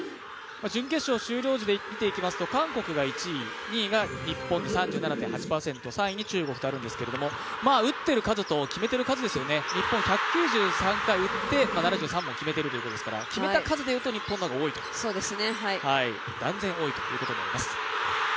準決勝終了時で見ていきますと韓国が１位、２位が日本、３７．８％、３位に中国とあるんですけれども、打っている数と決めている数ですよね、日本、１９３本うって７３本決めてるということですから決めた数でいうと日本の方が断然多いということになります。